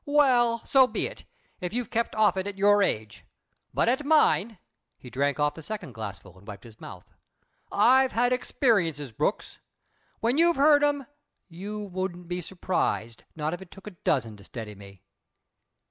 "Well, so be it if you've kept off it at your age. But at mine" he drank off the second glassful and wiped his mouth "I've had experiences, Brooks. When you've heard 'em, you wouldn't be surprised, not if it took a dozen to steady me."